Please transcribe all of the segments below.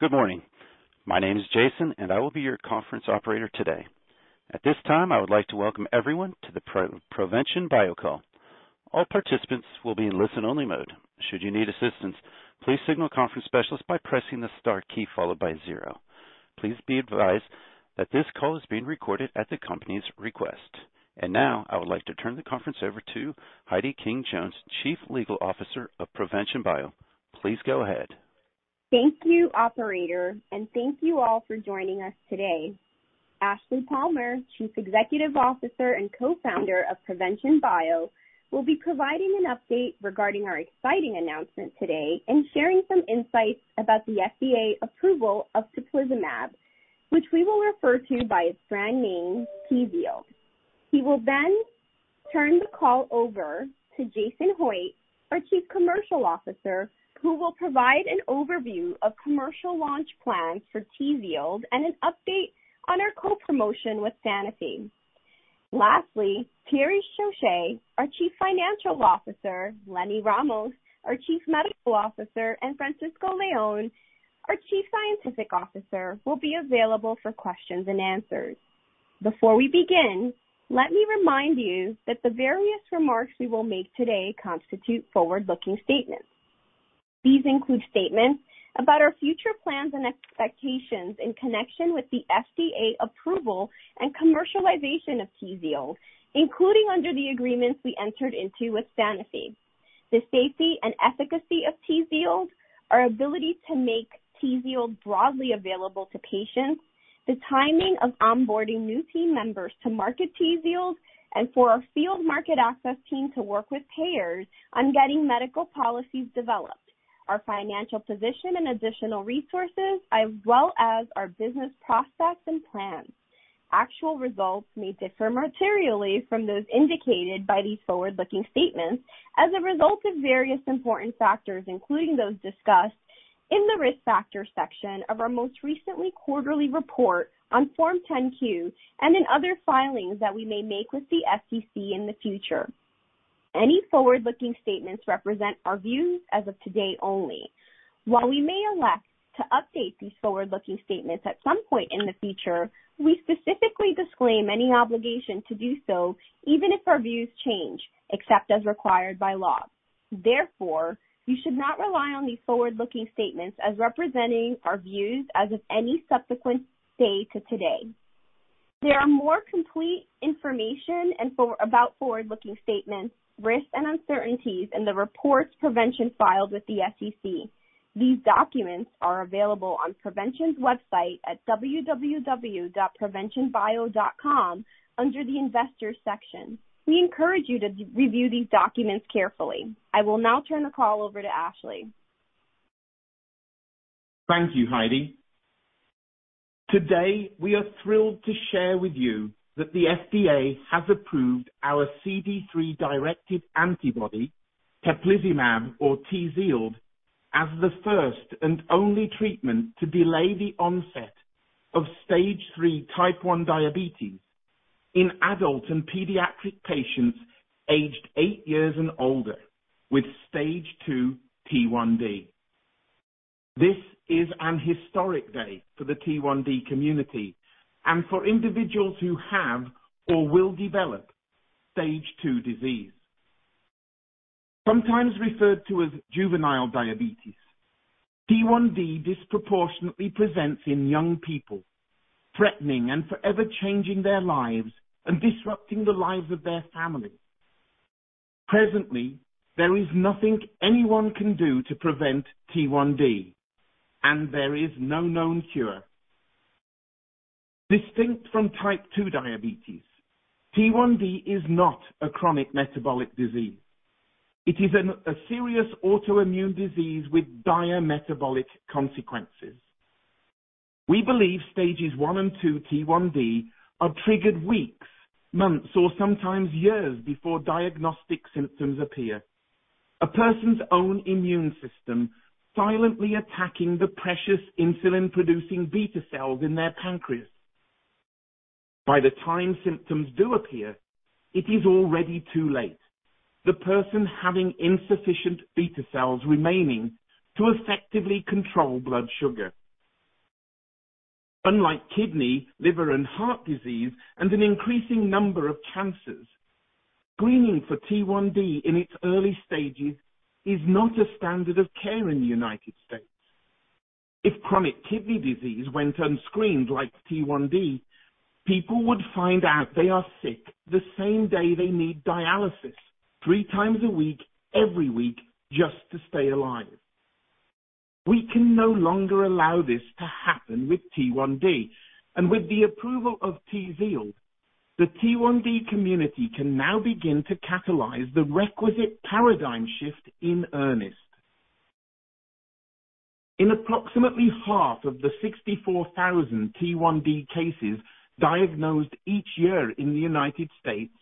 Good morning. My name is Jason and I will be your Conference Operator today. At this time, I would like to welcome everyone to the Provention Bio call. All participants will be in listen-only mode. Should you need assistance, please signal a conference specialist by pressing the star key followed by zero. Please be advised that this call is being recorded at the company's request. Now I would like to turn the conference over to Heidy Abreu King-Jones, Chief Legal Officer of Provention Bio. Please go ahead. Thank you, operator and thank you all for joining us today. Ashleigh Palmer, Chief Executive Officer and Co-founder of Provention Bio, will be providing an update regarding our exciting announcement today and sharing some insights about the FDA approval of teplizumab, which we will refer to by its brand name, TZIELD. He will then turn the call over to Jason Hoitt, our Chief Commercial Officer, who will provide an overview of commercial launch plans for TZIELD and an update on our co-promotion with Sanofi. Lastly, Thierry Chauche, our Chief Financial Officer, Eleanor L. Ramos, our Chief Medical Officer and Francisco Leon, our Chief Scientific Officer, will be available for questions and answers. Before we begin, let me remind you that the various remarks we will make today constitute forward-looking statements. These include statements about our future plans and expectations in connection with the FDA approval and commercialization of TZIELD, including under the agreements we entered into with Sanofi, the safety and efficacy of TZIELD, our ability to make TZIELD broadly available to patients, the timing of onboarding new team members to market TZIELD and for our field market access team to work with payers on getting medical policies developed, our financial position and additional resources, as well as our business prospects and plans. Actual results may differ materially from those indicated by these forward-looking statements as a result of various important factors, including those discussed in the Risk Factors section of our most recent quarterly report on Form 10-Q and in other filings that we may make with the SEC in the future. Any forward-looking statements represent our views as of today only. While we may elect to update these forward-looking statements at some point in the future, we specifically disclaim any obligation to do so, even if our views change, except as required by law. Therefore, you should not rely on these forward-looking statements as representing our views as of any subsequent date to today. There are more complete information about forward-looking statements, risks and uncertainties in the reports Provention Bio filed with the SEC. These documents are available on Provention Bio's website at proventionbio.com under the Investors section. We encourage you to review these documents carefully. I will now turn the call over to Ashleigh. Thank you, Heidy. Today, we are thrilled to share with you that the FDA has approved our CD3-directed antibody, teplizumab or TZIELD, as the first and only treatment to delay the onset of Stage 3 type 1 diabetes in adult and pediatric patients aged eight years and older with Stage 2 T1D. This is an historic day for the T1D community and for individuals who have or will develop Stage 2 disease. Sometimes referred to as juvenile diabetes, T1D disproportionately presents in young people, threatening and forever changing their lives and disrupting the lives of their families. Presently, there is nothing anyone can do to prevent T1D and there is no known cure. Distinct from type 2 diabetes, T1D is not a chronic metabolic disease. It is a serious autoimmune disease with dire metabolic consequences. We believe Stages 1 and 2 T1D are triggered weeks, months or sometimes years before diagnostic symptoms appear, a person's own immune system silently attacking the precious insulin-producing beta cells in their pancreas. By the time symptoms do appear, it is already too late, the person having insufficient beta cells remaining to effectively control blood sugar. Unlike kidney, liver and heart disease and an increasing number of cancers, screening for T1D in its early stages is not a standard of care in the United States. If chronic kidney disease went unscreened like T1D, people would find out they are sick the same day they need dialysis three times a week, every week just to stay alive. We can no longer allow this to happen with T1D and with the approval of TZIELD, the T1D community can now begin to catalyze the requisite paradigm shift in earnest. In approximately half of the 64,000 T1D cases diagnosed each year in the United States,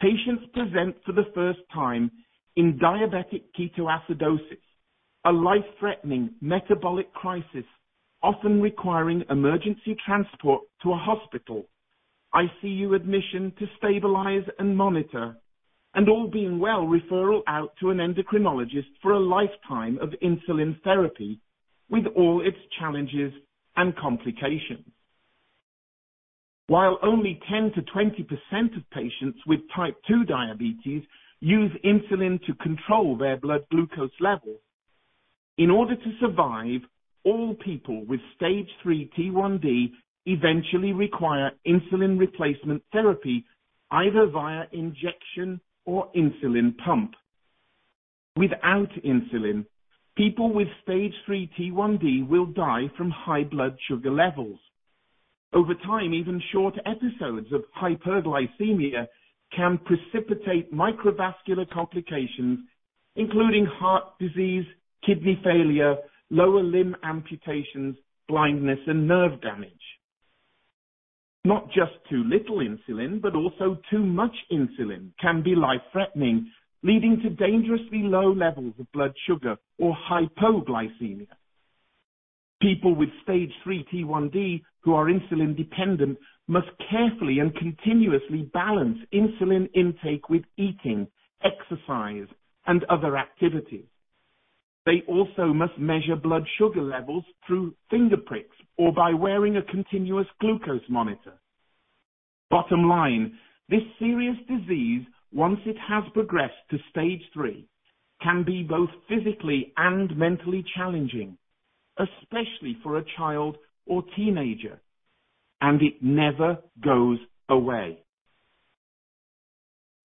patients present for the first time in diabetic ketoacidosis, a life-threatening metabolic crisis, often requiring emergency transport to a hospital, ICU admission to stabilize and monitor and all being well, referral out to an endocrinologist for a lifetime of insulin therapy with all its challenges and complications. While only 10%-20% of patients with type 2 diabetes use insulin to control their blood glucose levels, in order to survive, all people with Stage 3 T1D eventually require insulin replacement therapy, either via injection or insulin pump. Without insulin, people with Stage 3 T1D will die from high blood sugar levels. Over time, even short episodes of hyperglycemia can precipitate microvascular complications, including heart disease, kidney failure, lower limb amputations, blindness and nerve damage. Not just too little insulin but also too much insulin can be life-threatening, leading to dangerously low levels of blood sugar or hypoglycemia. People with Stage 3 T1D who are insulin-dependent must carefully and continuously balance insulin intake with eating, exercise and other activities. They also must measure blood sugar levels through finger pricks or by wearing a continuous glucose monitor. Bottom line, this serious disease, once it has progressed to Stage 3, can be both physically and mentally challenging, especially for a child or teenager and it never goes away.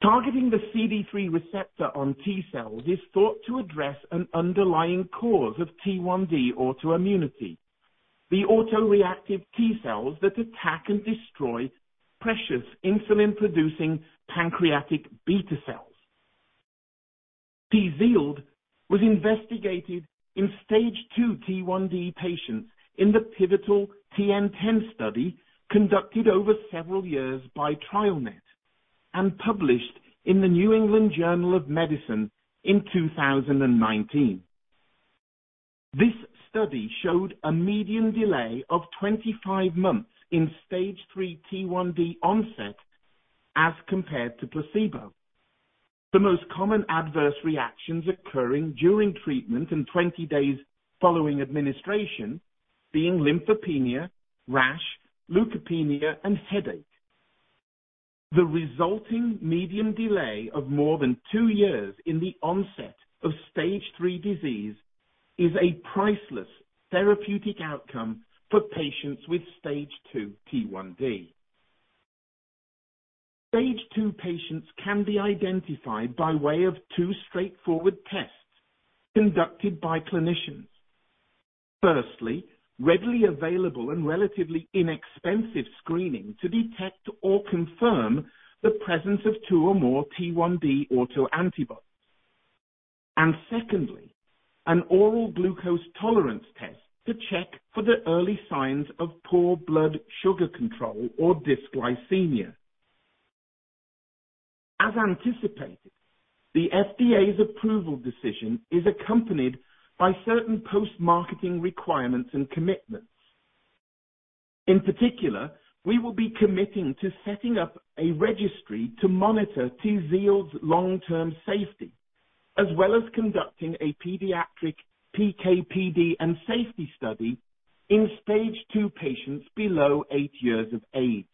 Targeting the CD3 receptor on T cells is thought to address an underlying cause of T1D autoimmunity, the autoreactive T cells that attack and destroy precious insulin-producing pancreatic beta cells. TZIELD was investigated in Stage 2 T1D patients in the pivotal TN-10 study conducted over several years by TrialNet and published in the New England Journal of Medicine in 2019. This study showed a median delay of 25 months in Stage 3 T1D onset as compared to placebo. The most common adverse reactions occurring during treatment and 20 days following administration being lymphopenia, rash, leukopenia and headache. The resulting median delay of more than two years in the onset of Stage 3 disease is a priceless therapeutic outcome for patients with Stage 2 T1D. Stage 2 patients can be identified by way of two straightforward tests conducted by clinicians. Firstly, readily available and relatively inexpensive screening to detect or confirm the presence of two or more T1D autoantibodies. Secondly, an oral glucose tolerance test to check for the early signs of poor blood sugar control or dysglycemia. As anticipated, the FDA's approval decision is accompanied by certain post-marketing requirements and commitments. In particular, we will be committing to setting up a registry to monitor TZIELD's long-term safety, as well as conducting a pediatric PK/PD and safety study in Stage 2 patients below eight years of age.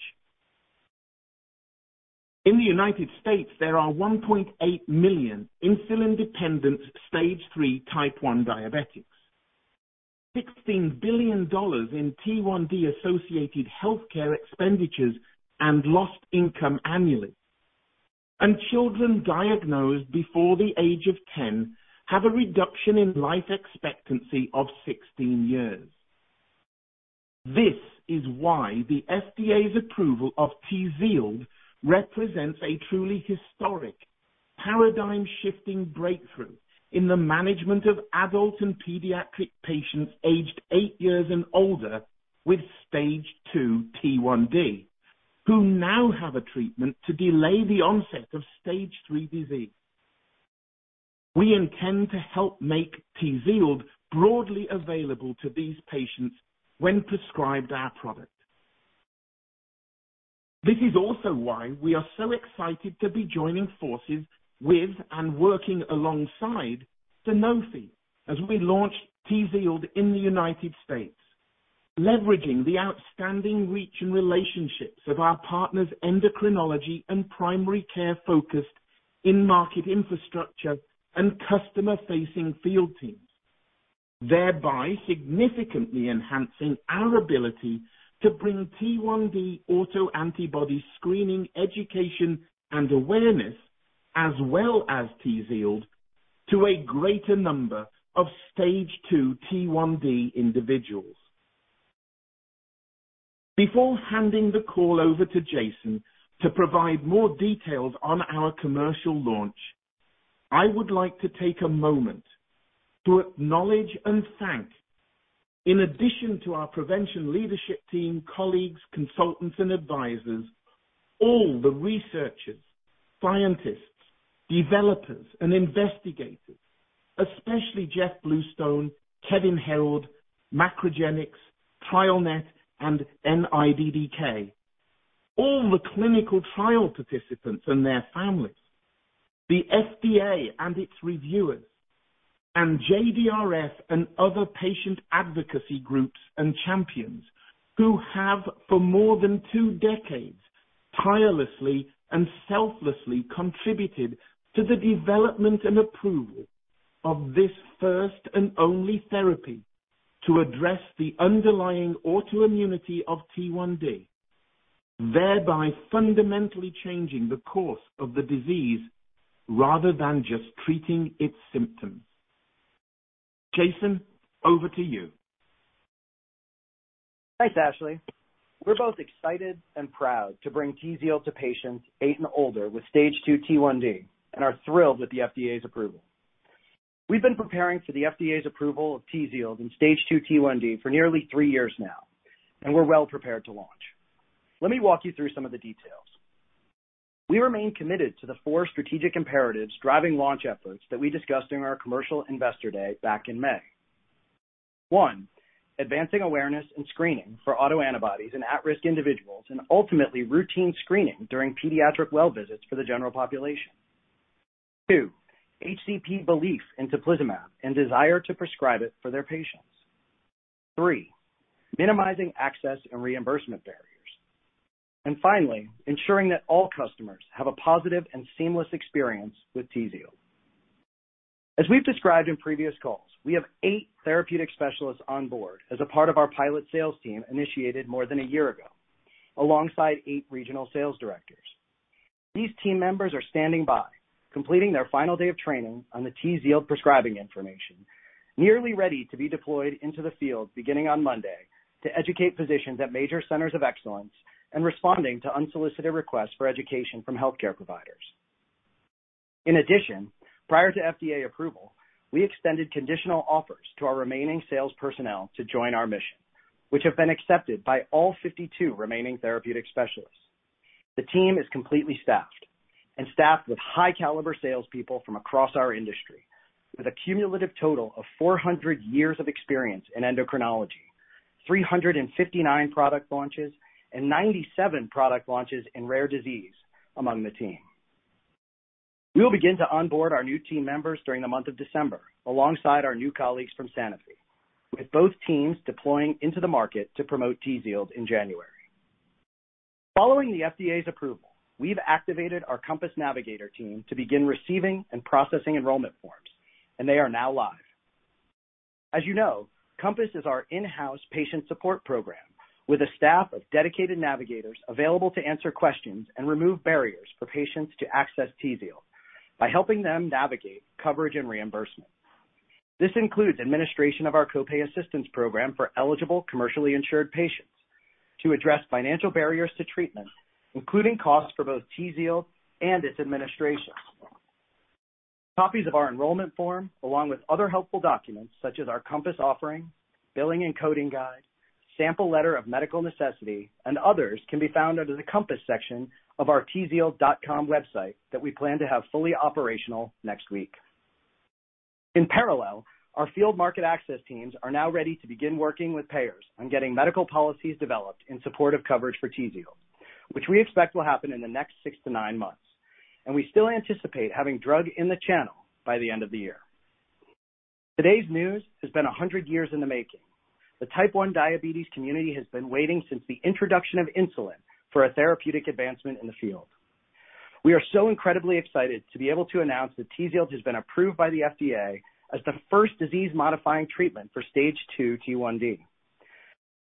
In the United States, there are 1.8 million insulin-dependent Stage 3 type 1 diabetics. $16 billion in T1D-associated healthcare expenditures and lost income annually. Children diagnosed before the age of 10 have a reduction in life expectancy of 16 years. This is why the FDA's approval of TZIELD represents a truly historic, paradigm-shifting breakthrough in the management of adult and pediatric patients aged eight years and older with Stage 2 T1D, who now have a treatment to delay the onset of Stage 3 disease. We intend to help make TZIELD broadly available to these patients when prescribed our product. This is also why we are so excited to be joining forces with and working alongside Sanofi as we launch TZIELD in the United States, leveraging the outstanding reach and relationships of our partner's endocrinology and primary care-focused in-market infrastructure and customer-facing field teams, thereby significantly enhancing our ability to bring T1D autoantibody screening education and awareness, as well as TZIELD, to a greater number of Stage 2 T1D individuals. Before handing the call over to Jason to provide more details on our commercial launch, I would like to take a moment to acknowledge and thank, in addition to our Provention leadership team, colleagues, consultants and advisors, all the researchers, scientists, developers and investigators, especially Jeff Bluestone, Kevan Herold, MacroGenics, TrialNet and NIDDK. All the clinical trial participants and their families, the FDA and its reviewers and JDRF and other patient advocacy groups and champions who have, for more than two decades, tirelessly and selflessly contributed to the development and approval of this first and only therapy to address the underlying autoimmunity of T1D, thereby fundamentally changing the course of the disease rather than just treating its symptoms. Jason, over to you. Thanks, Ashleigh. We're both excited and proud to bring TZIELD to patients eight and older with Stage 2 T1D and are thrilled with the FDA's approval. We've been preparing for the FDA's approval of TZIELD in Stage 2 T1D for nearly three years now and we're well prepared to launch. Let me walk you through some of the details. We remain committed to the four strategic imperatives driving launch efforts that we discussed during our Commercial Investor Day back in May. One, advancing awareness and screening for autoantibodies in at-risk individuals and ultimately routine screening during pediatric well visits for the general population. Two, HCP belief in teplizumab and desire to prescribe it for their patients. Three, minimizing access and reimbursement barriers. Finally, ensuring that all customers have a positive and seamless experience with TZIELD. As we've described in previous calls, we have eight therapeutic specialists on board as a part of our pilot sales team initiated more than a year ago, alongside eight regional sales directors. These team members are standing by, completing their final day of training on the TZIELD prescribing information, nearly ready to be deployed into the field beginning on Monday to educate physicians at major centers of excellence and responding to unsolicited requests for education from healthcare providers. In addition, prior to FDA approval, we extended conditional offers to our remaining sales personnel to join our mission, which have been accepted by all 52 remaining therapeutic specialists. The team is completely staffed with high caliber salespeople from across our industry, with a cumulative total of 400 years of experience in endocrinology, 359 product launches and 97 product launches in rare disease among the team. We will begin to onboard our new team members during the month of December, alongside our new colleagues from Sanofi, with both teams deploying into the market to promote TZIELD in January. Following the FDA's approval, we've activated our COMPASS Navigator team to begin receiving and processing enrollment forms and they are now live. As you know, COMPASS is our in-house patient support program, with a staff of dedicated navigators available to answer questions and remove barriers for patients to access TZIELD by helping them navigate coverage and reimbursement. This includes administration of our co-pay assistance program for eligible commercially insured patients to address financial barriers to treatment, including costs for both TZIELD and its administration. Copies of our enrollment form, along with other helpful documents such as our COMPASS offering, billing and coding guide, sample letter of medical necessity and others, can be found under the COMPASS section of our TZIELD.com website that we plan to have fully operational next week. In parallel, our field market access teams are now ready to begin working with payers on getting medical policies developed in support of coverage for TZIELD, which we expect will happen in the next six-nine months and we still anticipate having drug in the channel by the end of the year. Today's news has been 100 years in the making. The type 1 diabetes community has been waiting since the introduction of insulin for a therapeutic advancement in the field. We are so incredibly excited to be able to announce that TZIELD has been approved by the FDA as the first disease-modifying treatment for Stage 2 T1D.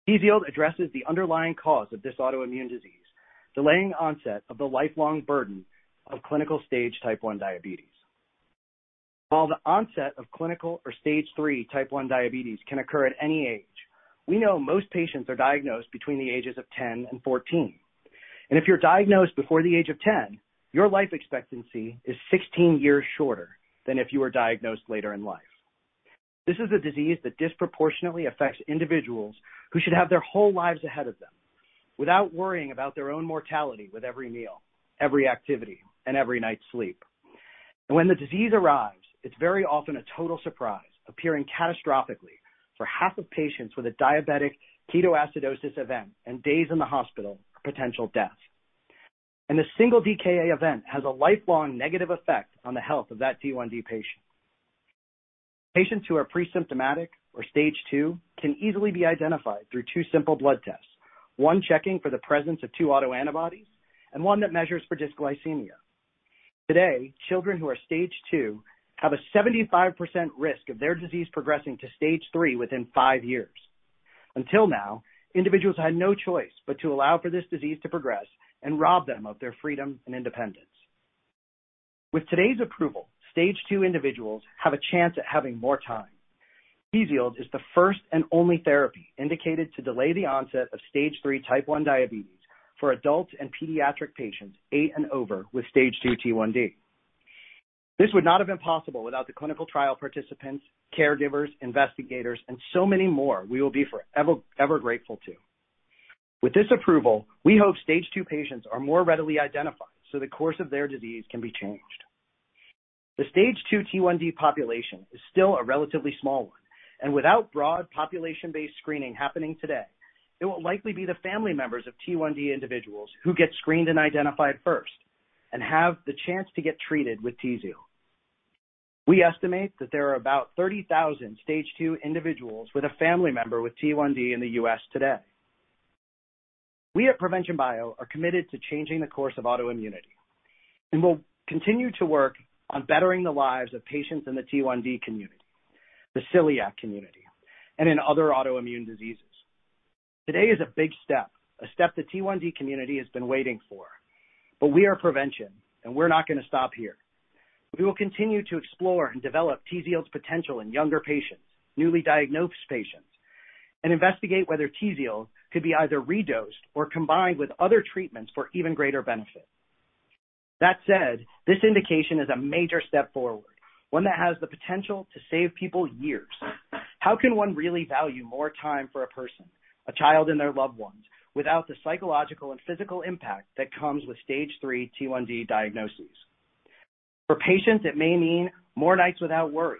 TZIELD addresses the underlying cause of this autoimmune disease, delaying onset of the lifelong burden of clinical stage type 1 diabetes. While the onset of clinical or Stage 3 type 1 diabetes can occur at any age, we know most patients are diagnosed between the ages of 10 and 14. If you're diagnosed before the age of ten, your life expectancy is 16 years shorter than if you were diagnosed later in life. This is a disease that disproportionately affects individuals who should have their whole lives ahead of them without worrying about their own mortality with every meal, every activity and every night's sleep. When the disease arrives, it's very often a total surprise, appearing catastrophically for half of patients with a diabetic ketoacidosis event and days in the hospital, potential death. A single DKA event has a lifelong negative effect on the health of that T1D patient. Patients who are pre-symptomatic or Stage 2 can easily be identified through two simple blood tests. One checking for the presence of two autoantibodies and one that measures for dysglycemia. Today, children who are Stage 2 have a 75% risk of their disease progressing to Stage 3 within five years. Until now, individuals had no choice but to allow for this disease to progress and rob them of their freedom and independence. With today's approval, Stage 2 individuals have a chance at having more time. TZIELD is the first and only therapy indicated to delay the onset of Stage 3 type 1 diabetes for adults and pediatric patients eight and over with Stage 2 T1D. This would not have been possible without the clinical trial participants, caregivers, investigators and so many more we will be forever, ever grateful to. With this approval, we hope Stage 2 patients are more readily identified so the course of their disease can be changed. The Stage 2 T1D population is still a relatively small one and without broad population-based screening happening today. It will likely be the family members of T1D individuals who get screened and identified first and have the chance to get treated with TZIELD. We estimate that there are about 30,000 Stage 2 individuals with a family member with T1D in the U.S. today. We at Provention Bio are committed to changing the course of autoimmunity and we'll continue to work on bettering the lives of patients in the T1D community, the celiac community and in other autoimmune diseases. Today is a big step, a step the T1D community has been waiting for. We are Provention and we're not gonna stop here. We will continue to explore and develop TZIELD's potential in younger patients, newly diagnosed patients and investigate whether TZIELD could be either redosed or combined with other treatments for even greater benefit. That said, this indication is a major step forward, one that has the potential to save people years. How can one really value more time for a person, a child and their loved ones without the psychological and physical impact that comes with Stage 3 T1D diagnoses? For patients, it may mean more nights without worry,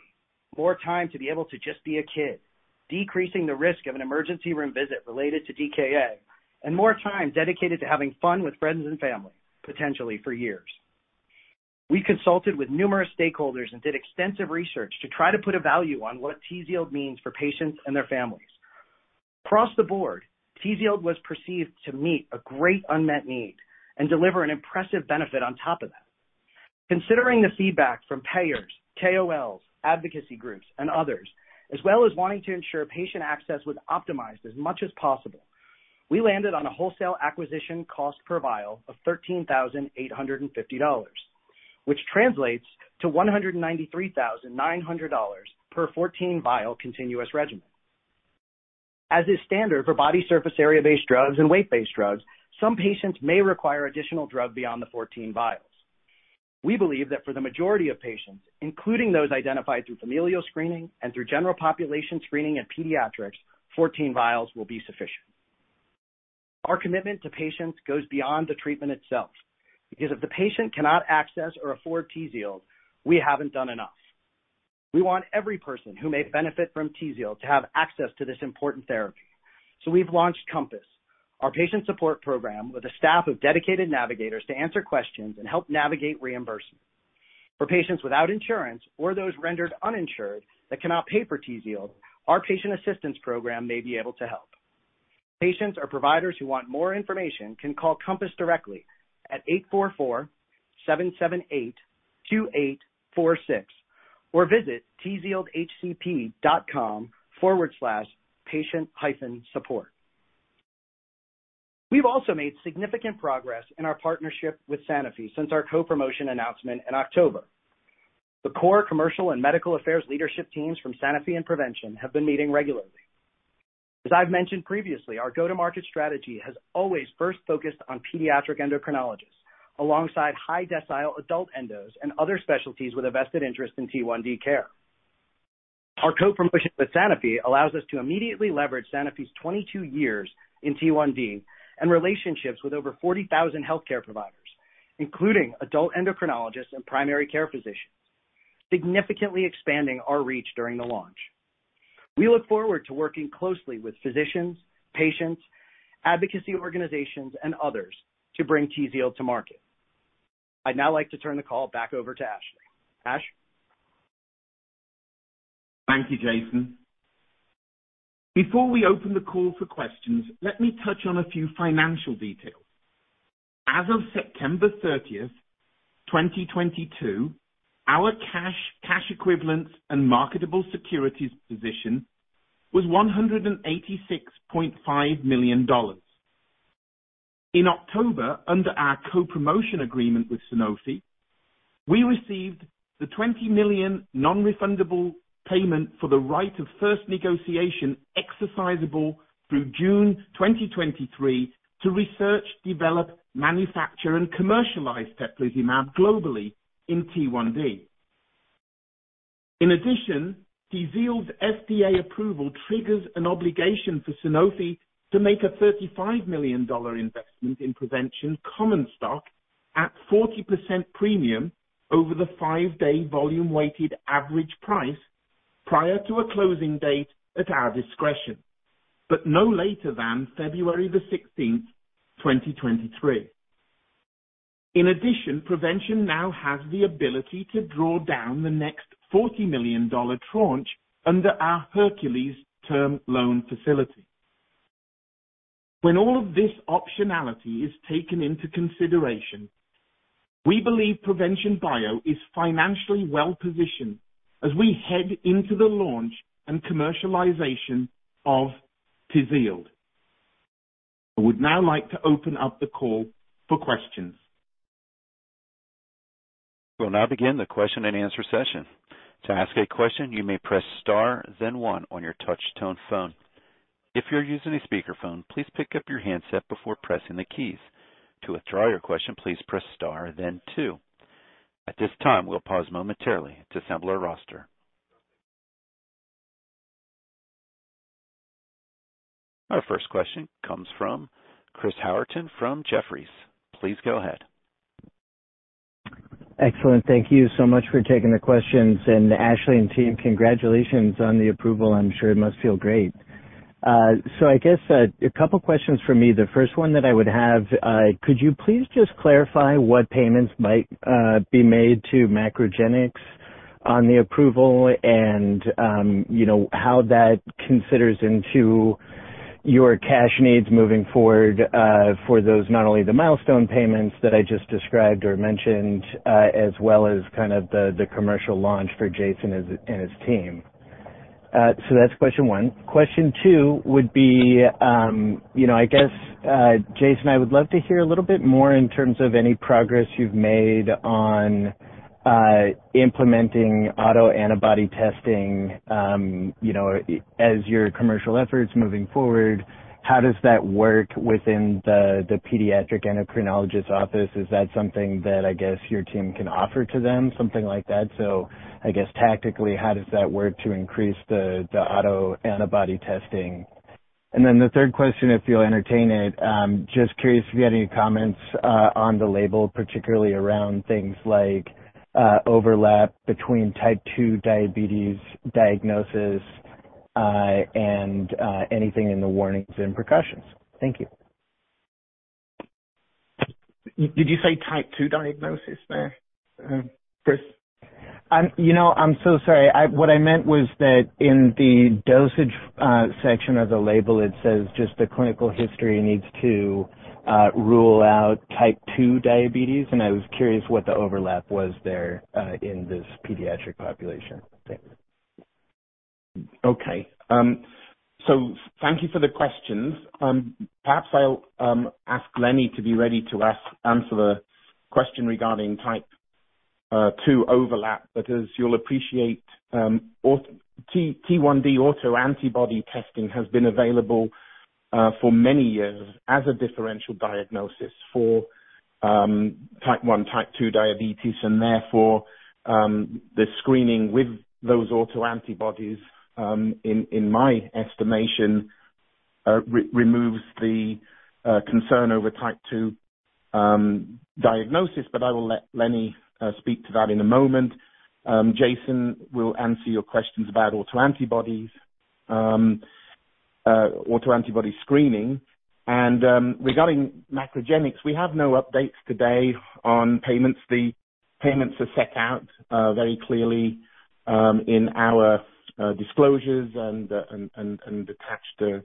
more time to be able to just be a kid, decreasing the risk of an emergency room visit related to DKA and more time dedicated to having fun with friends and family, potentially for years. We consulted with numerous stakeholders and did extensive research to try to put a value on what TZIELD means for patients and their families. Across the board, TZIELD was perceived to meet a great unmet need and deliver an impressive benefit on top of that. Considering the feedback from payers, KOLs, advocacy groups and others, as well as wanting to ensure patient access was optimized as much as possible, we landed on a wholesale acquisition cost per vial of $13,850, which translates to $193,900 per 14-vial continuous regimen. As is standard for body surface area-based drugs and weight-based drugs, some patients may require additional drug beyond the 14 vials. We believe that for the majority of patients, including those identified through familial screening and through general population screening in pediatrics, 14 vials will be sufficient. Our commitment to patients goes beyond the treatment itself because if the patient cannot access or afford TZIELD, we haven't done enough. We want every person who may benefit from TZIELD to have access to this important therapy. We've launched COMPASS, our patient support program with a staff of dedicated navigators to answer questions and help navigate reimbursement. For patients without insurance or those rendered uninsured that cannot pay for TZIELD, our patient assistance program may be able to help. Patients or providers who want more information can call COMPASS directly at 844-778-2846 or visit TZIELDHCP.com/patient-support. We've also made significant progress in our partnership with Sanofi since our co-promotion announcement in October. The core commercial and medical affairs leadership teams from Sanofi and Provention have been meeting regularly. As I've mentioned previously, our go-to-market strategy has always first focused on pediatric endocrinologists alongside high-decile adult endos and other specialties with a vested interest in T1D care. Our co-promotion with Sanofi allows us to immediately leverage Sanofi's 22 years in T1D and relationships with over 40,000 healthcare providers, including adult endocrinologists and primary care physicians, significantly expanding our reach during the launch. We look forward to working closely with physicians, patients, advocacy organizations and others to bring TZIELD to market. I'd now like to turn the call back over to Ashleigh. Ash? Thank you, Jason. Before we open the call for questions, let me touch on a few financial details. As of 30 September 2022, our cash equivalents and marketable securities position was $186.5 million. In October, under our co-promotion agreement with Sanofi, we received the $20 million non-refundable payment for the right of first negotiation exercisable through June 2023 to research, develop, manufacture and commercialize teplizumab globally in T1D. In addition, TZIELD's FDA approval triggers an obligation for Sanofi to make a $35 million investment in Provention common stock at 40% premium over the five-day volume weighted average price prior to a closing date at our discretion but no later than 16 February 2023. In addition, Provention now has the ability to draw down the next $40 million tranche under our Hercules term loan facility. When all of this optionality is taken into consideration, we believe Provention Bio is financially well positioned as we head into the launch and commercialization of TZIELD. I would now like to open up the call for questions. We'll now begin the question and answer session. To ask a question, you may press star then one on your touch-tone phone. If you're using a speakerphone, please pick up your handset before pressing the keys. To withdraw your question, please press star then two. At this time, we'll pause momentarily to assemble our roster. Our first question comes from Chris Howerton from Jefferies. Please go ahead. Excellent. Thank you so much for taking the questions. Ashleigh and team, congratulations on the approval. I'm sure it must feel great. I guess a couple questions for me. The first one that I would have, could you please just clarify what payments might be made to MacroGenics on the approval and, you know, how that considers into your cash needs moving forward for those, not only the milestone payments that I just described or mentioned, as well as kind of the commercial launch for Jason and his team? That's question one. Question two would be, you know, I guess, Jason, I would love to hear a little bit more in terms of any progress you've made on implementing autoantibody testing, you know, as your commercial efforts moving forward. How does that work within the pediatric endocrinologist office? Is that something that, I guess, your team can offer to them, something like that? I guess tactically, how does that work to increase the autoantibody testing? The third question, if you'll entertain it, just curious if you had any comments on the label, particularly around things like overlap between type 2 diabetes diagnosis and anything in the warnings and precautions. Thank you. Did you say type 2 diagnosis there, Chris? You know, I'm so sorry. What I meant was that in the dosage section of the label, it says just the clinical history needs to rule out type 2 diabetes and I was curious what the overlap was there in this pediatric population. Thanks. Okay. Thank you for the questions. Perhaps I'll ask Lenny to be ready to answer the question regarding type 2 overlap but as you'll appreciate, T1D autoantibody testing has been available for many years as a differential diagnosis for type 1, type 2 diabetes and therefore, the screening with those autoantibodies, in my estimation, removes the concern over type 2 diagnosis. I will let Lenny speak to that in a moment. Jason will answer your questions about autoantibody screening. Regarding MacroGenics, we have no updates today on payments. The payments are set out very clearly in our disclosures and attached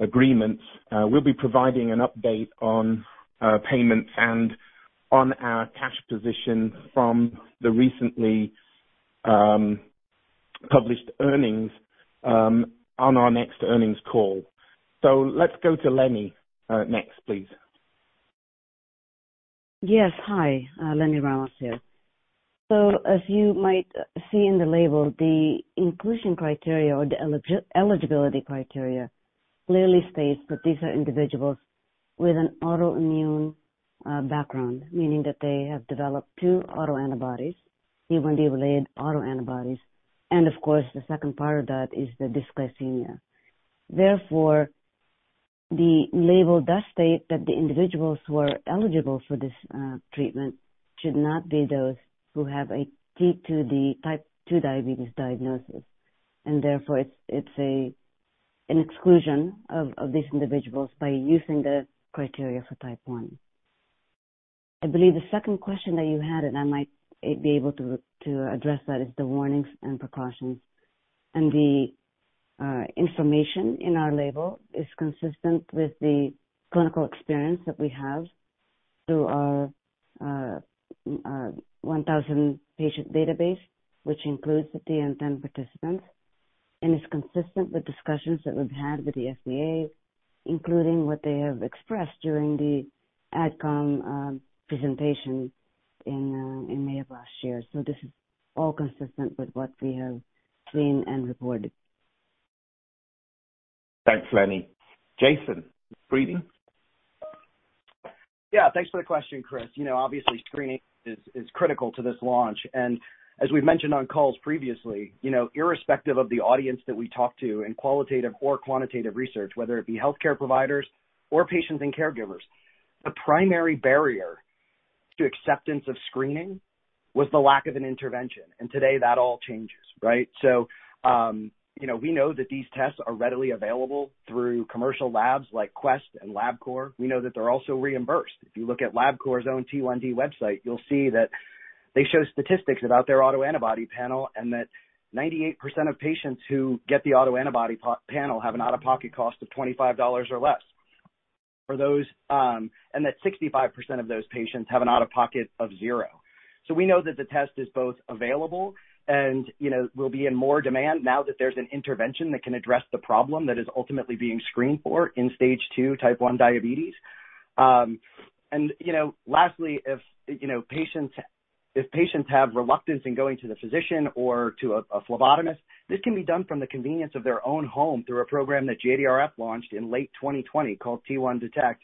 agreements. We'll be providing an update on payments and on our cash position from the recently published earnings on our next earnings call. Let's go to Lenny next, please. Yes. Hi. Lenny Ramos here. As you might see in the label, the inclusion criteria or the eligibility criteria clearly states that these are individuals with an autoimmune background, meaning that they have developed two autoantibodies, T1D-related autoantibodies. Of course, the second part of that is the dysglycemia. Therefore, the label does state that the individuals who are eligible for this treatment should not be those who have a T2D type 2 diabetes diagnosis. Therefore it's an exclusion of these individuals by using the criteria for type 1. I believe the second question that you had and I might be able to address that, is the warnings and precautions. The information in our label is consistent with the clinical experience that we have through our 1,000-patient database, which includes the TN-10 participants and is consistent with discussions that we've had with the FDA, including what they have expressed during the outcome presentation in May of last year. This is all consistent with what we have seen and reported. Thanks, Lenny. Jason, screening? Yeah, thanks for the question, Chris. You know, obviously screening is critical to this launch. As we've mentioned on calls previously, you know, irrespective of the audience that we talk to in qualitative or quantitative research, whether it be healthcare providers or patients and caregivers, the primary barrier to acceptance of screening was the lack of an intervention. Today that all changes, right? You know, we know that these tests are readily available through commercial labs like Quest and Labcorp. We know that they're also reimbursed. If you look at Labcorp's own T1D website, you'll see that they show statistics about their autoantibody panel and that 98% of patients who get the autoantibody panel have an out-of-pocket cost of $25 or less. That 65% of those patients have an out-of-pocket of $0. We know that the test is both available and, you know, will be in more demand now that there's an intervention that can address the problem that is ultimately being screened for in Stage 2 type 1 diabetes. You know, lastly, if patients have reluctance in going to the physician or to a phlebotomist, this can be done from the convenience of their own home through a program that JDRF launched in late 2020 called T1Detect.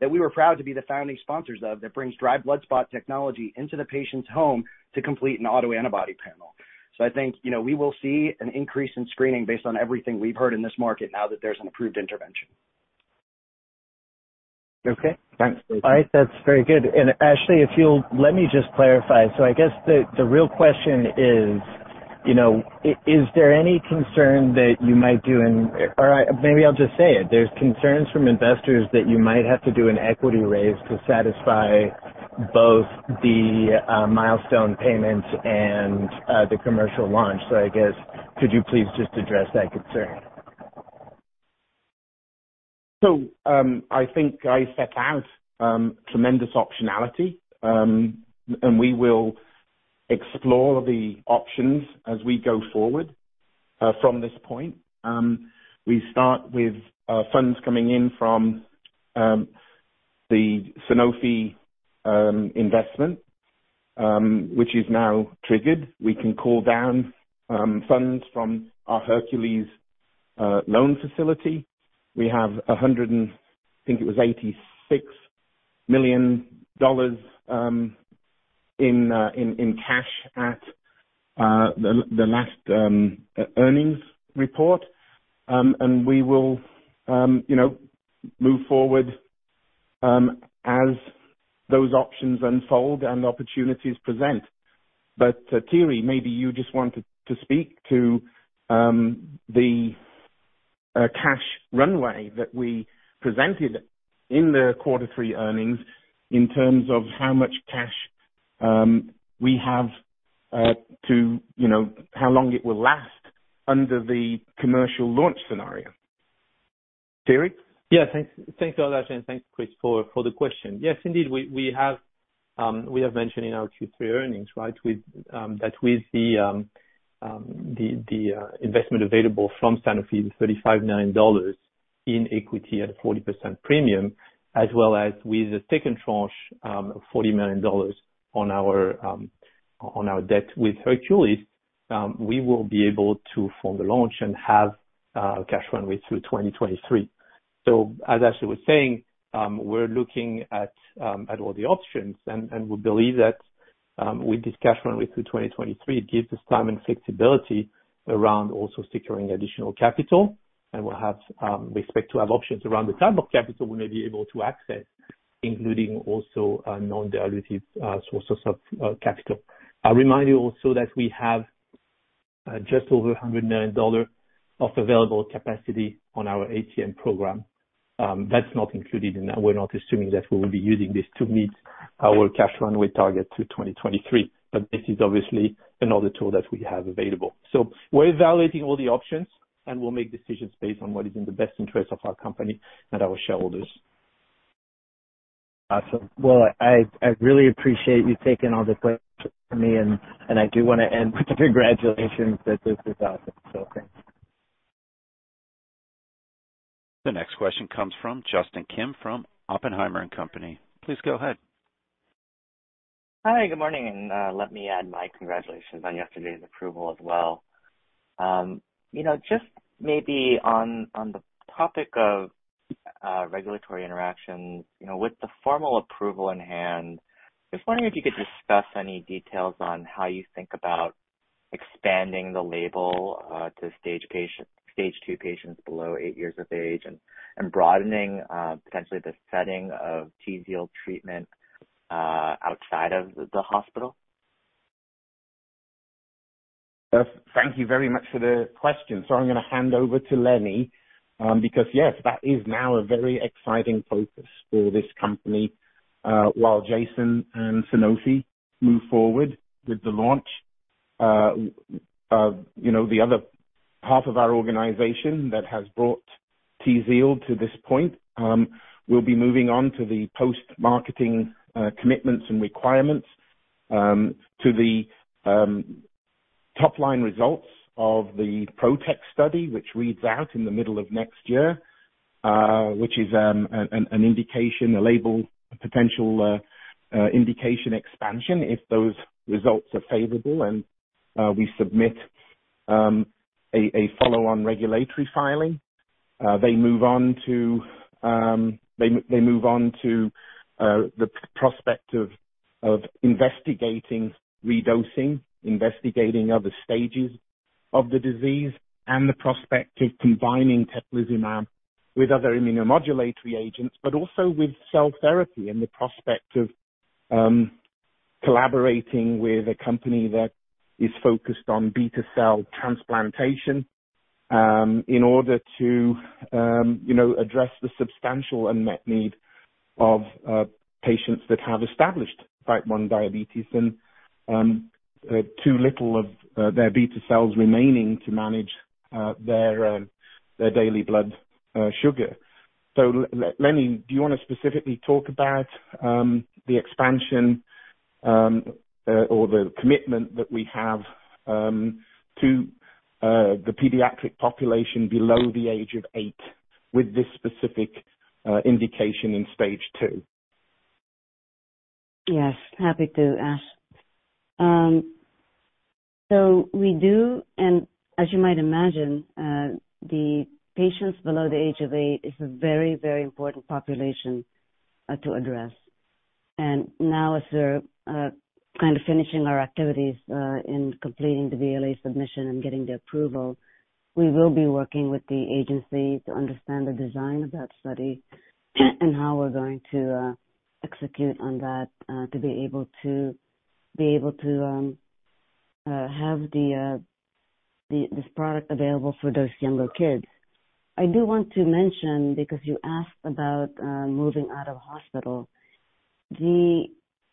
That we were proud to be the founding sponsors of, that brings dry blood spot technology into the patient's home to complete an autoantibody panel. I think, you know, we will see an increase in screening based on everything we've heard in this market now that there's an approved intervention. Okay. Thanks. All right. That's very good. And Ashley, if you'll let me just clarify. So I guess the real question is, you know, i-is there any concern that you might do an or maybe I'll just say it. There's concerns from investors that you might have to do an equity raise to satisfy both the milestone payments and the commercial launch. So I guess, could you please just address that concern? I think I set out tremendous optionality and we will explore the options as we go forward from this point. We start with funds coming in from the Sanofi investment, which is now triggered. We can call down funds from our Hercules loan facility. We have 100 and, think it was, $86 million in cash at the last earnings report. We will, you know, move forward as those options unfold and opportunities present. Thierry, maybe you just want to speak to the cash runway that we presented in the quarter three earnings in terms of how much cash we have to, you know, how long it will last under the commercial launch scenario. Thierry? Yeah. Thanks, Ashleigh and thanks Chris for the question. Yes, indeed, we have mentioned in our Q3 earnings, right, that with the investment available from Sanofi, the $35 million in equity at a 40% premium, as well as with the second tranche of $40 million on our debt with Hercules, we will be able to fund the launch and have cash runway through 2023. As Ashleigh was saying, we're looking at all the options. We believe that with this cash runway through 2023, it gives us time and flexibility around also securing additional capital. We expect to have options around the type of capital we may be able to access, including also non-dilutive sources of capital. I'll remind you also that we have just over $100 million of available capacity on our ATM program. That's not included in that. We're not assuming that we will be using this to meet our cash runway target through 2023 but this is obviously another tool that we have available. We're evaluating all the options and we'll make decisions based on what is in the best interest of our company and our shareholders. Awesome. Well, I really appreciate you taking all the questions from me and I do wanna end with the congratulations that this is awesome. Thanks. The next question comes from Justin Kim from Oppenheimer & Co. Please go ahead. Hi, good morning. Let me add my congratulations on yesterday's approval as well. You know, just maybe on the topic of regulatory interactions, you know, with the formal approval in hand, just wondering if you could discuss any details on how you think about expanding the label to Stage 2 patients below eight years of age and broadening potentially the setting of TZIELD treatment outside of the hospital. Thank you very much for the question. I'm gonna hand over to Lenny because yes, that is now a very exciting focus for this company. While Jason and Sanofi move forward with the launch, you know, the other half of our organization that has brought TZIELD to this point will be moving on to the post-marketing commitments and requirements, to the top-line results of the PROTECT study, which reads out in the middle of next year, which is an indication, a label potential indication expansion if those results are favorable and we submit a follow-on regulatory filing. They move on to the prospect of investigating redosing, investigating other stages of the disease and the prospect of combining teplizumab with other immunomodulatory agents but also with cell therapy and the prospect of collaborating with a company that is focused on beta cell transplantation in order to, you know, address the substantial unmet need of patients that have established type 1 diabetes and too little of their beta cells remaining to manage their daily blood sugar. Lenny, do you wanna specifically talk about the expansion or the commitment that we have to the pediatric population below the age of eight with this specific indication in Stage 2? Yes, happy to Ash. We do and as you might imagine, the patients below the age of eight is a very, very important population to address. Now as they're kind of finishing our activities in completing the BLA submission and getting the approval, we will be working with the agency to understand the design of that study and how we're going to execute on that to be able to have this product available for those younger kids. I do want to mention, because you asked about moving out of hospital, the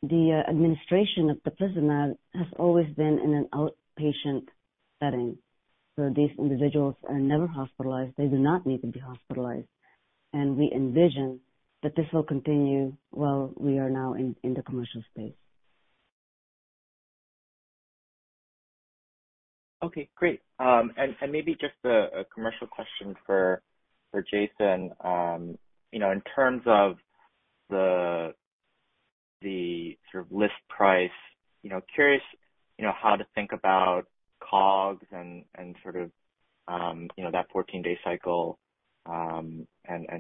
administration of the teplizumab has always been in an outpatient setting. These individuals are never hospitalized. They do not need to be hospitalized. We envision that this will continue while we are now in the commercial space. Okay, great. Maybe just a commercial question for Jason. You know, in terms of the sort of list price, you know, curious, you know, how to think about COGS and sort of, you know, that 14-day cycle and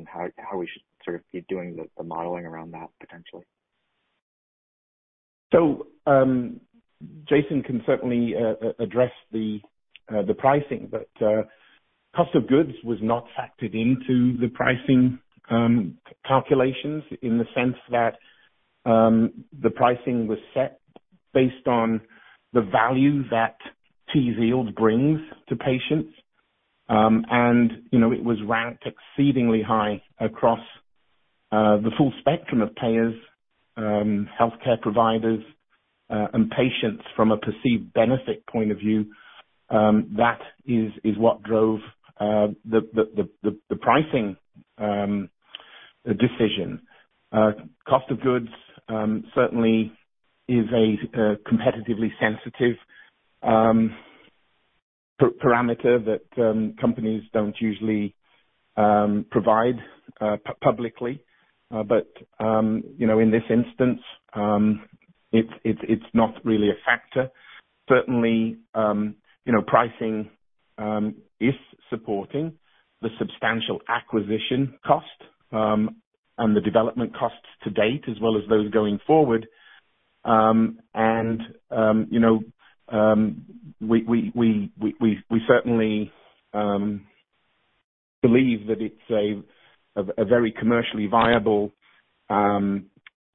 how we should sort of be doing the modeling around that potentially. Jason can certainly address the pricing but cost of goods was not factored into the pricing calculations in the sense that the pricing was set based on the value that TZIELD brings to patients. You know, it was ranked exceedingly high across the full spectrum of payers, healthcare providers and patients from a perceived benefit point of view. That is what drove the pricing decision. Cost of goods certainly is a competitively sensitive parameter that companies don't usually provide publicly. You know, in this instance, it's not really a factor. Certainly, you know, pricing is supporting the substantial acquisition cost and the development costs to date as well as those going forward. You know, we certainly believe that it's a very commercially viable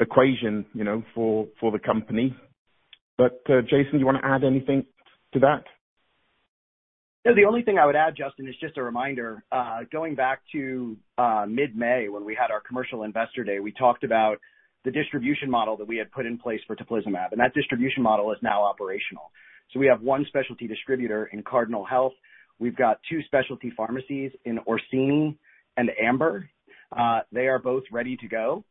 equation, you know, for the company. Jason, do you wanna add anything to that? No, the only thing I would add Justin is just a reminder. Going back to mid-May when we had our Commercial Investor Day, we talked about the distribution model that we had put in place for teplizumab and that distribution model is now operational. We have one specialty distributor in Cardinal Health. We've got two specialty pharmacies in Orsini and Amber. They are both ready to go.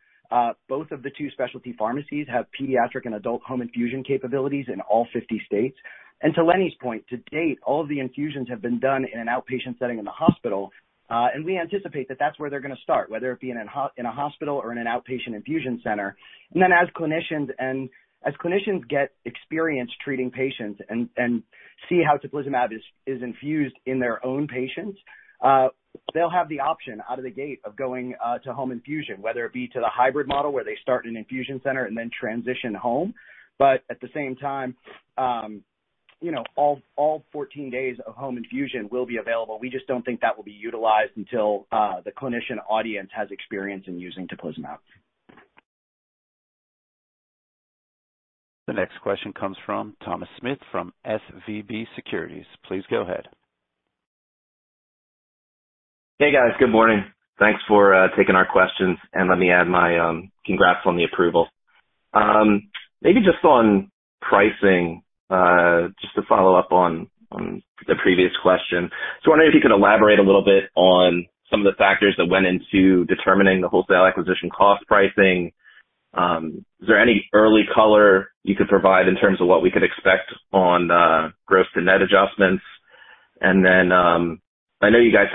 Both of the two specialty pharmacies have pediatric and adult home infusion capabilities in all 50 states. To Lenny's point, to date, all of the infusions have been done in an outpatient setting in the hospital. We anticipate that that's where they're gonna start, whether it be in a hospital or in an outpatient infusion center. As clinicians get experience treating patients and see how teplizumab is infused in their own patients, they'll have the option out of the gate of going to home infusion whether it be to the hybrid model where they start in an infusion center and then transition home. At the same time, you know, all 14 days of home infusion will be available. We just don't think that will be utilized until the clinician audience has experience in using teplizumab. The next question comes from Thomas Smith from SVB Securities. Please go ahead. Hey, guys. Good morning. Thanks for taking our questions and let me add my congrats on the approval. Maybe just on pricing just to follow up on the previous question. So wondering if you could elaborate a little bit on some of the factors that went into determining the wholesale acquisition cost pricing. Is there any early color you could provide in terms of what we could expect on gross to net adjustments? And then I know you guys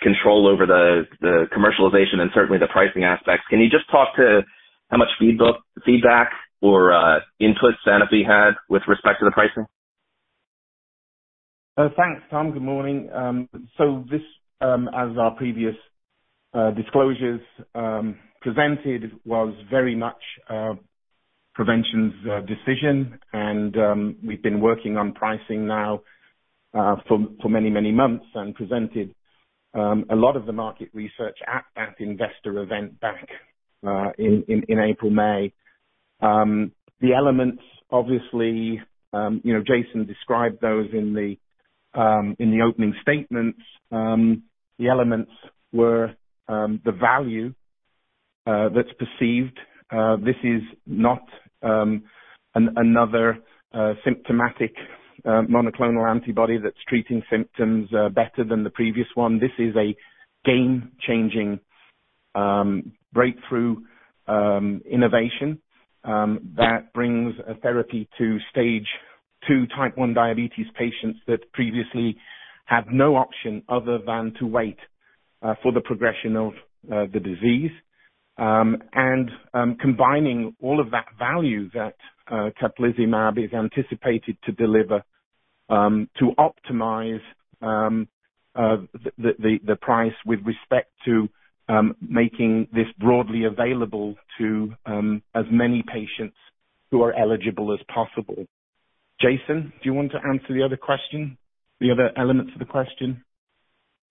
had control over the commercialization and certainly the pricing aspects. Can you just talk to how much feedback or input Sanofi had with respect to the pricing? Thanks, Tom. Good morning. This, as our previous disclosures presented was very much Provention's decision. We've been working on pricing now for many, many months and presented a lot of the market research at that investor event back in April, May. The elements obviously, you know, Jason described those in the opening statements. The elements were the value that's perceived. This is not another symptomatic monoclonal antibody that's treating symptoms better than the previous one. This is a game-changing breakthrough innovation that brings a therapy to Stage 2 type 1 diabetes patients that previously had no option other than to wait for the progression of the disease. Combining all of that value that teplizumab is anticipated to deliver to optimize the price with respect to making this broadly available to as many patients who are eligible as possible. Jason, do you want to answer the other question, the other elements of the question?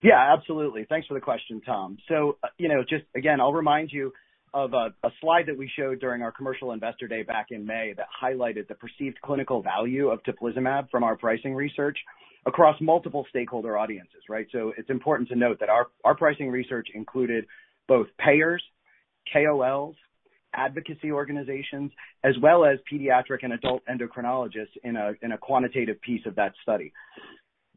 Yeah, absolutely. Thanks for the question, Tom. You know, just again, I'll remind you of a slide that we showed during our Commercial Investor Day back in May that highlighted the perceived clinical value of teplizumab from our pricing research across multiple stakeholder audiences, right? It's important to note that our pricing research included both payers, KOLs, advocacy organizations, as well as pediatric and adult endocrinologists in a quantitative piece of that study.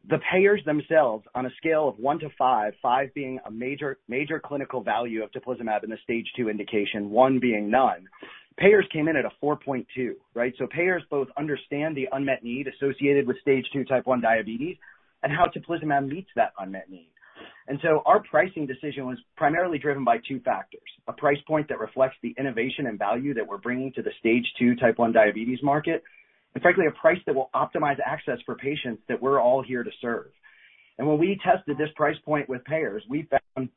The payers themselves, on a scale of one to five being a major clinical value of teplizumab in the Stage 2 indication, one being none, payers came in at a 4.2, right? Payers both understand the unmet need associated with Stage 2 type 1 diabetes and how teplizumab meets that unmet need. Our pricing decision was primarily driven by two factors, a price point that reflects the innovation and value that we're bringing to the Stage 2 type 1 diabetes market and frankly, a price that will optimize access for patients that we're all here to serve. When we tested this price point with payers, we found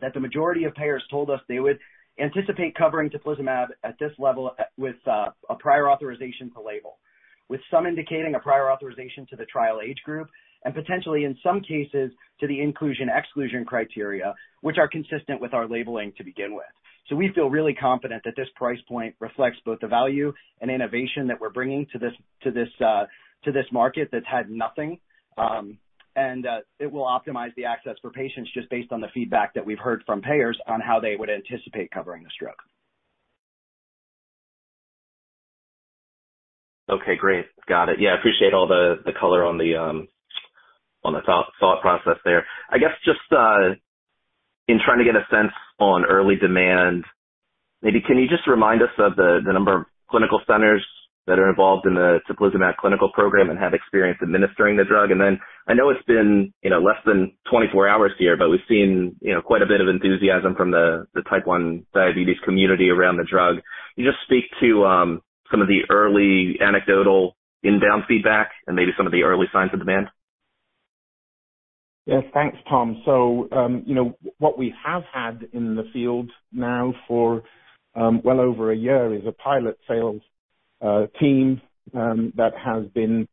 that the majority of payers told us they would anticipate covering teplizumab at this level with a prior authorization to label, with some indicating a prior authorization to the trial age group and potentially in some cases, to the inclusion/exclusion criteria, which are consistent with our labeling to begin with. We feel really confident that this price point reflects both the value and innovation that we're bringing to this market that's had nothing. It will optimize the access for patients just based on the feedback that we've heard from payers on how they would anticipate covering this drug. Okay, great. Got it. Yeah, I appreciate all the color on the thought process there. I guess just in trying to get a sense on early demand, maybe can you just remind us of the number of clinical centers that are involved in the teplizumab clinical program and have experience administering the drug? I know it's been, you know, less than 24 hours here but we've seen, you know, quite a bit of enthusiasm from the type 1 diabetes community around the drug. Can you just speak to some of the early anecdotal inbound feedback and maybe some of the early signs of demand? Yeah. Thanks, Tom. You know, what we have had in the field now for well over a year is a pilot sales team that has been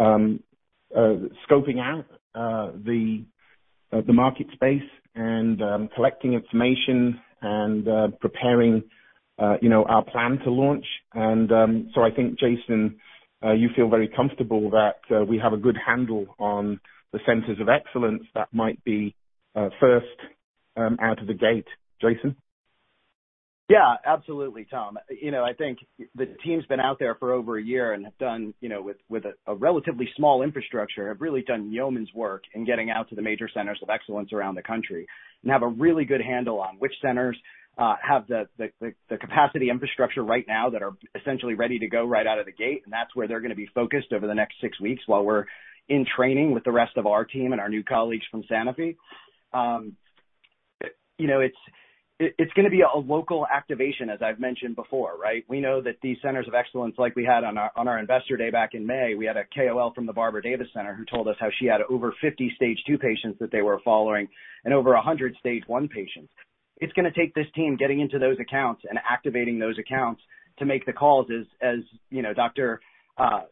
scoping out the market space and collecting information and preparing, you know, our plan to launch. I think, Jason, you feel very comfortable that we have a good handle on the centers of excellence that might be first out of the gate. Jason? Yeah, absolutely, Tom. You know, I think the team's been out there for over a year and have done, you know, with a relatively small infrastructure, have really done yeoman's work in getting out to the major centers of excellence around the country and have a really good handle on which centers have the capacity infrastructure right now that are essentially ready to go right out of the gate. That's where they're gonna be focused over the next six weeks while we're in training with the rest of our team and our new colleagues from Sanofi. You know, it's gonna be a local activation, as I've mentioned before, right? We know that these centers of excellence, like we had on our Investor Day back in May, we had a KOL from the Barbara Davis Center who told us how she had over 50 Stage 2 patients that they were following and over 100 Stage 1 patients. It's gonna take this team getting into those accounts and activating those accounts to make the calls as, you know, Doctor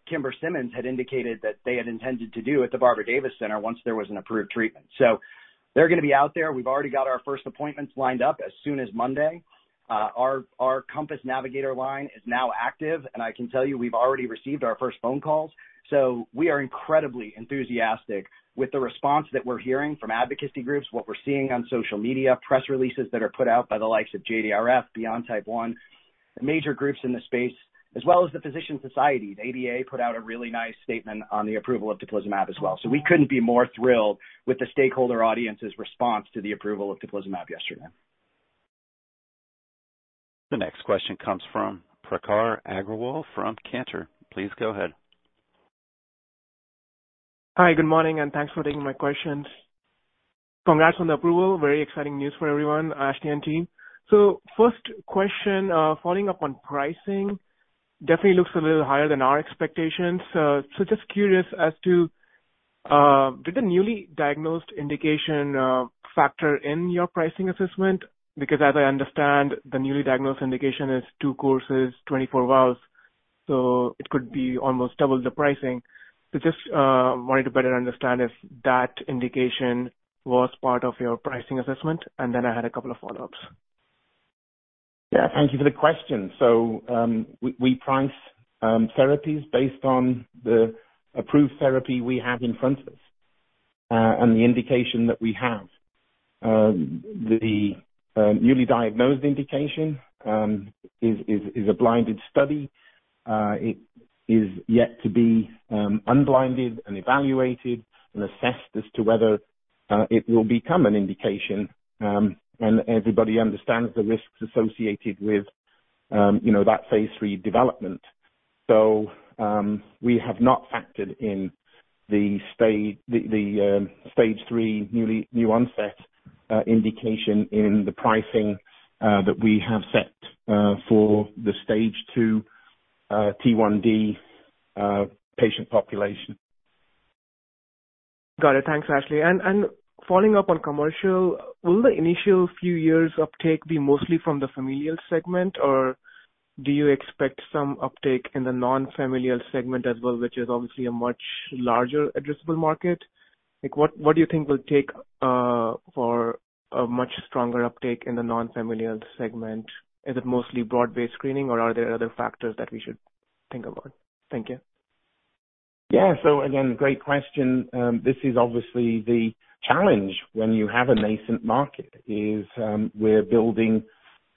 Kimber Simmons had indicated that they had intended to do at the Barbara Davis Center once there was an approved treatment. They're gonna be out there. We've already got our first appointments lined up as soon as Monday. Our COMPASS Navigator line is now active and I can tell you we've already received our first phone calls. We are incredibly enthusiastic with the response that we're hearing from advocacy groups, what we're seeing on social media, press releases that are put out by the likes of JDRF Beyond Type 1, major groups in the space, as well as the physician society. The ADA put out a really nice statement on the approval of teplizumab as well. We couldn't be more thrilled with the stakeholder audience's response to the approval of teplizumab yesterday. The next question comes from Prakhar Agrawal from Cantor. Please go ahead. Hi. Good morning and thanks for taking my questions. Congrats on the approval. Very exciting news for everyone, Ashleigh and team. First question, following up on pricing, definitely looks a little higher than our expectations. Just curious as to, did the newly diagnosed indication factor in your pricing assessment? Because as I understand, the newly diagnosed indication is two courses, 24 vials, so it could be almost double the pricing. Just wanted to better understand if that indication was part of your pricing assessment. I had a couple of follow-ups. Yeah. Thank you for the question. We price therapies based on the approved therapy we have in front of us and the indication that we have. The newly diagnosed indication is a blinded study. It is yet to be unblinded and evaluated and assessed as to whether it will become an indication and everybody understands the risks associated with, you know that phase III development. We have not factored in the Stage 3 new onset indication in the pricing that we have set for the Stage 2 T1D patient population. Got it. Thanks, Ashleigh. Following up on commercial, will the initial few years uptake be mostly from the familial segment or do you expect some uptake in the non-familial segment as well, which is obviously a much larger addressable market? Like what do you think will take for a much stronger uptake in the non-familial segment? Is it mostly broad-based screening or are there other factors that we should think about? Thank you. Yeah. Again, great question. This is obviously the challenge when you have a nascent market is we're building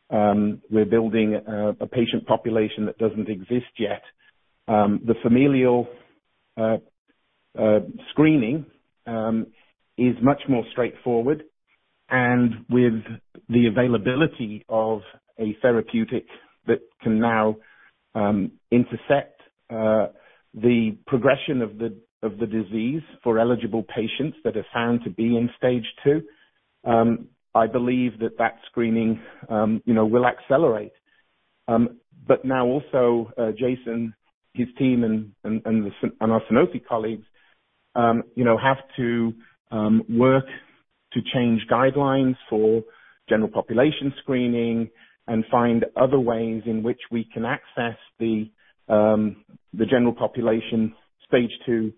a patient population that doesn't exist yet. The familial screening is much more straightforward. With the availability of a therapeutic that can now intersect the progression of the disease for eligible patients that are found to be in Stage 2, I believe that that screening, you know, will accelerate. Now also Jason, his team and our Sanofi colleagues, you know, have to work to change guidelines for general population screening and find other ways in which we can access the general population Stage 2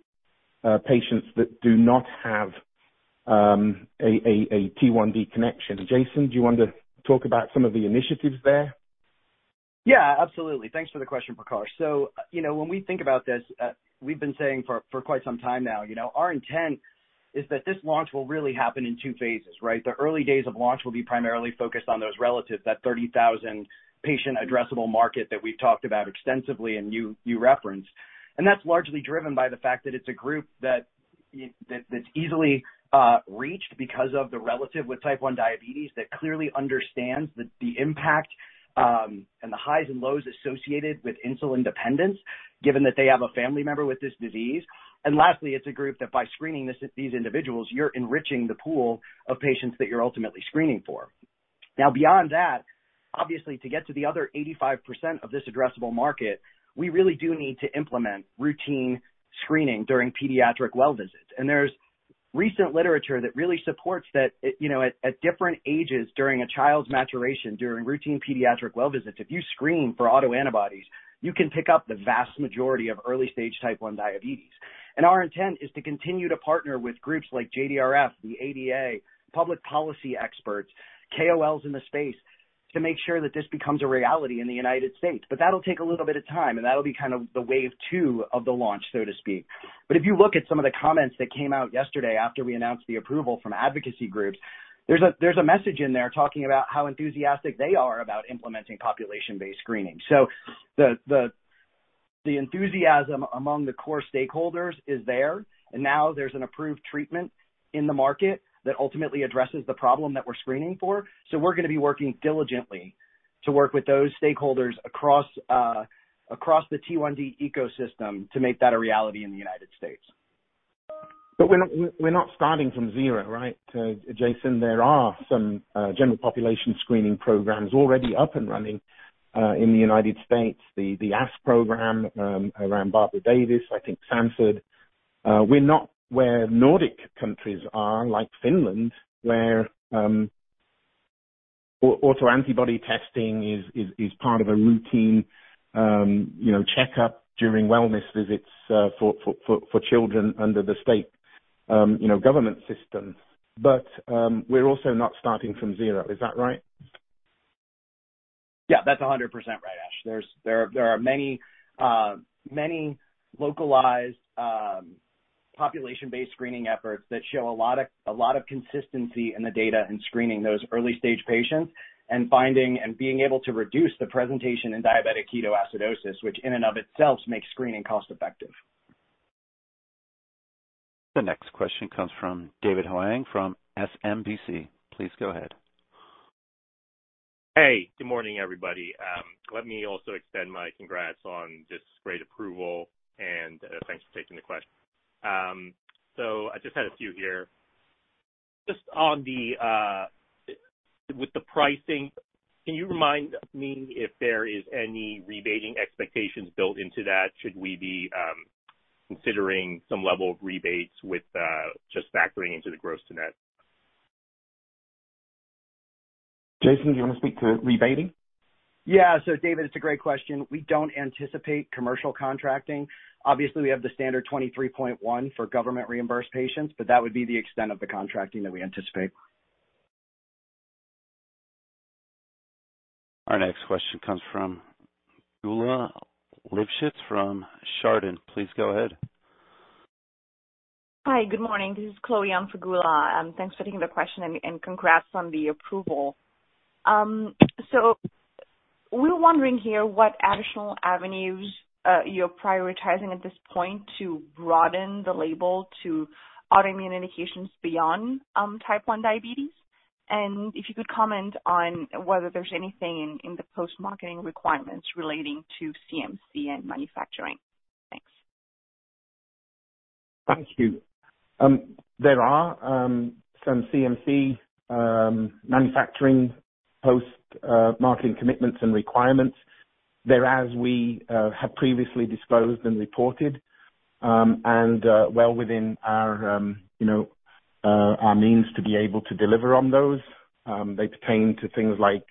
patients that do not have a T1D connection. Jason, do you want to talk about some of the initiatives there? Yeah, absolutely. Thanks for the question, Prakhar. You know, when we think about this, we've been saying for quite some time now, you know, our intent is that this launch will really happen in two phases, right? The early days of launch will be primarily focused on those relatives, that 30,000 patient addressable market that we've talked about extensively and you referenced. That's largely driven by the fact that it's a group that's easily reached because of the relative with type 1 diabetes that clearly understands the impact and the highs and lows associated with insulin dependence, given that they have a family member with this disease. Lastly, it's a group that by screening these individuals, you're enriching the pool of patients that you're ultimately screening for. Now, beyond that, obviously to get to the other 85% of this addressable market, we really do need to implement routine screening during pediatric well visits. There's recent literature that really supports that, you know, at different ages during a child's maturation, during routine pediatric well visits, if you screen for autoantibodies, you can pick up the vast majority of early-stage type 1 diabetes. Our intent is to continue to partner with groups like JDRF, the ADA, public policy experts, KOLs in the space to make sure that this becomes a reality in the United States. That'll take a little bit of time and that'll be kind of the wave 2 of the launch, so to speak. If you look at some of the comments that came out yesterday after we announced the approval from advocacy groups, there's a message in there talking about how enthusiastic they are about implementing population-based screening. The enthusiasm among the core stakeholders is there and now there's an approved treatment in the market that ultimately addresses the problem that we're screening for. We're gonna be working diligently to work with those stakeholders across the T1D ecosystem to make that a reality in the United States. We're not starting from zero right, Jason? There are some general population screening programs already up and running in the United States, the ASK program, around Barbara Davis, I think Sanford. We're not where Nordic countries are, like Finland, where autoantibody testing is part of a routine, you know, checkup during wellness visits for children under the state, you know, government system. We're also not starting from zero. Is that right? Yeah, that's 100% right, Ash. There are many localized population-based screening efforts that show a lot of consistency in the data in screening those early-stage patients and finding and being able to reduce the presentation in diabetic ketoacidosis, which in and of itself makes screening cost-effective. The next question comes from David Hoang from SMBC. Please go ahead. Hey. Good morning, everybody. Let me also extend my congrats on this great approval and thanks for taking the question. I just had a few here. With the pricing, can you remind me if there is any rebating expectations built into that? Should we be considering some level of rebates with just factoring into the gross-to-net? Jason, do you wanna speak to rebating? Yeah. David, it's a great question. We don't anticipate commercial contracting. Obviously, we have the standard 23.1 for government reimbursed patients but that would be the extent of the contracting that we anticipate. Our next question comes from Geulah Livshits from Chardan. Please go ahead. Hi. Good morning. This is Chloe on for Geulah. Thanks for taking the question and congrats on the approval. We're wondering here what additional avenues you're prioritizing at this point to broaden the label to autoimmune indications Beyond Type 1 diabetes. If you could comment on whether there's anything in the post-marketing requirements relating to CMC and manufacturing. Thanks. Thank you. There are some CMC manufacturing post-marketing commitments and requirements there, as we have previously disclosed and reported and well within, you know, our means to be able to deliver on those. They pertain to things like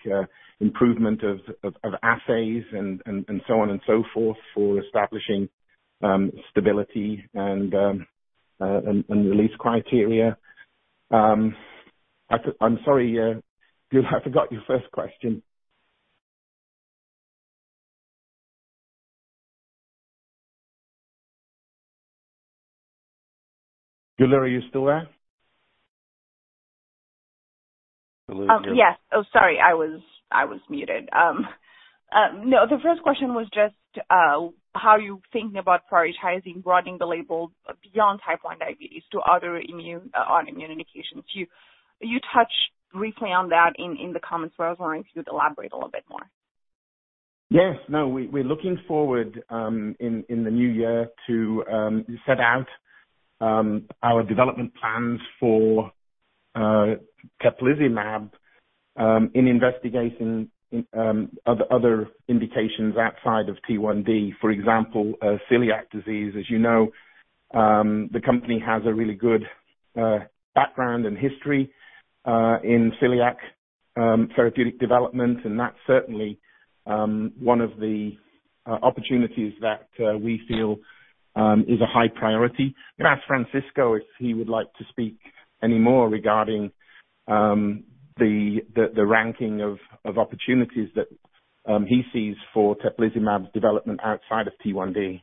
improvement of assays and so on and so forth for establishing stability and release criteria. I'm sorry, Chloe. I forgot your first question. Chloe, are you still there? Yes. Oh, sorry, I was muted. No, the first question was just how you're thinking about prioritizing broadening the label Beyond Type 1 diabetes to other autoimmune indications. You touched briefly on that in the comments but I was wondering if you would elaborate a little bit more. Yes. No, we're looking forward in the new year to set out our development plans for teplizumab in investigating other indications outside of T1D, for example, celiac disease. As you know, the company has a really good background and history in celiac therapeutic development and that's certainly one of the opportunities that we feel is a high priority. Gonna ask Francisco if he would like to speak any more regarding the ranking of opportunities that he sees for teplizumab's development outside of T1D.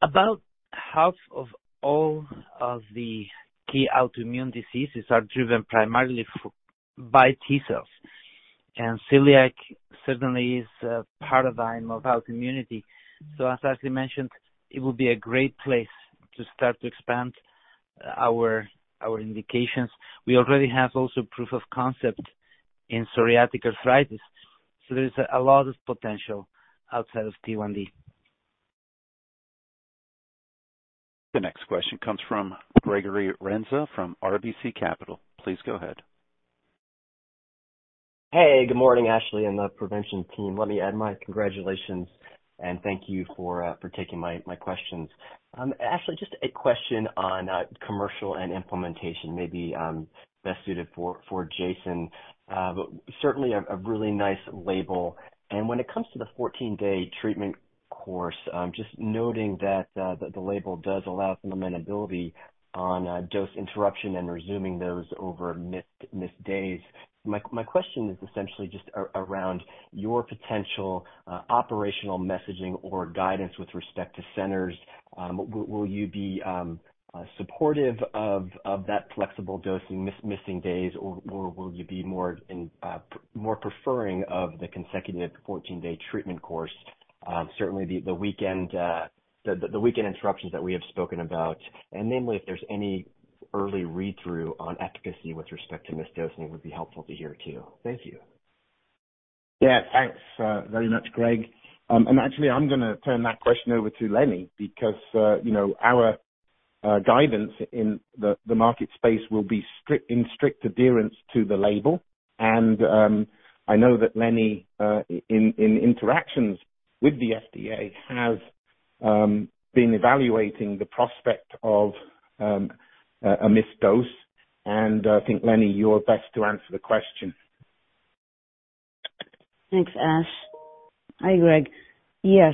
About half of all of the key autoimmune diseases are driven primarily by T cells. Celiac certainly is a part of our immunity. As Ashleigh mentioned, it would be a great place to start to expand our indications. We already have also proof of concept in psoriatic arthritis, so there's a lot of potential outside of T1D. The next question comes from Gregory Renza from RBC Capital. Please go ahead. Hey, good morning, Ashleigh and the Provention team. Let me add my congratulations and thank you for taking my questions. Ashleigh, just a question on commercial and implementation maybe best suited for Jason. Certainly a really nice label. When it comes to the 14-day treatment course, just noting that the label does allow some amenability on dose interruption and resuming those over missed days. My question is essentially just around your potential operational messaging or guidance with respect to centers. Will you be supportive of that flexible dosing missing days or will you be more preferring of the consecutive 14-day treatment course, certainly the weekend interruptions that we have spoken about? If there's any early read-through on efficacy with respect to missed dosing, it would be helpful to hear too. Thank you. Yeah. Thanks very much, Greg. Actually, I'm gonna turn that question over to Lenny because, you know, our guidance in the market space will be in strict adherence to the label. I know that Lenny in interactions with the FDA has been evaluating the prospect of a missed dose. I think, Lenny, you're best to answer the question. Thanks, Ash. Hi, Greg. Yeah.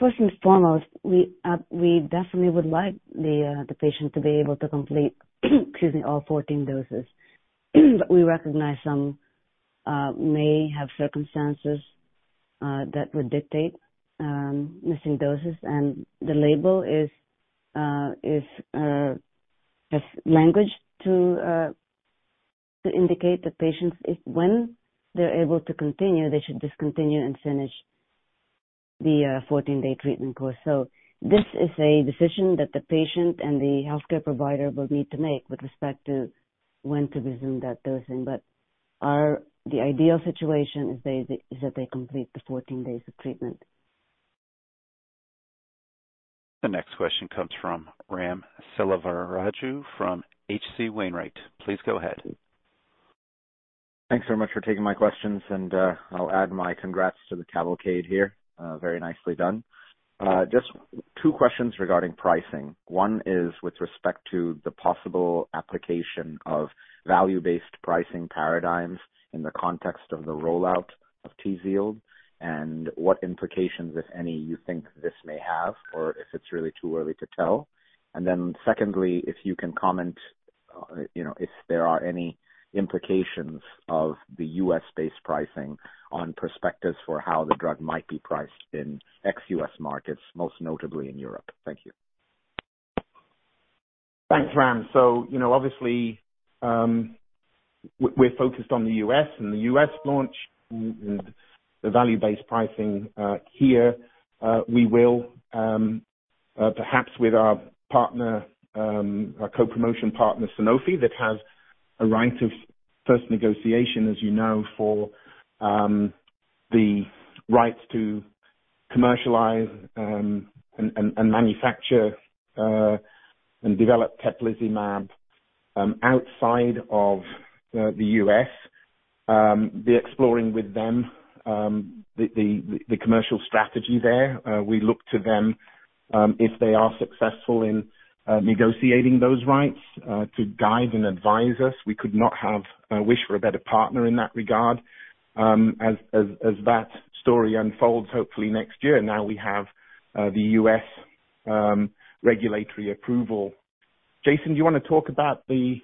First and foremost, we definitely would like the patient to be able to complete, excuse me, all 14 doses. We recognize some may have circumstances that would dictate missing doses. The label has language to indicate that patients, if, when they're able to continue, they should just continue and finish the 14-day treatment course. This is a decision that the patient and the healthcare provider will need to make with respect to when to resume that dosing. The ideal situation is that they complete the 14 days of treatment. The next question comes from Ram Selvaraju from H.C. Wainwright. Please go ahead. Thanks very much for taking my questions and I'll add my congrats to the cavalcade here. Very nicely done. Just two questions regarding pricing. One is with respect to the possible application of value-based pricing paradigms in the context of the rollout of TZIELD and what implications, if any, you think this may have or if it's really too early to tell. Secondly, if you can comment, you know, if there are any implications of the U.S.-based pricing on perspectives for how the drug might be priced in ex-U.S. markets, most notably in Europe. Thank you. Thanks, Ram. So, you know, obviously, we we're focused on the US and the US launch and the value-based pricing here we will perhaps with our partner, our co-promotion partner Sanofi that has a right of first negotiation, as you know for the rights to commercialize and manufacture and develop teplizumab outside of the U.S.. Be exploring with them, the commercial strategy there. We look to them if they are successful in negotiating those rights to guide and advise us. We could not have or wish for a better partner in that regard as that story unfolds, hopefully next year. Now we have the U.S. regulatory approval. Jason, do you wanna talk about the